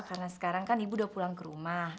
karena sekarang kan ibu udah pulang ke rumah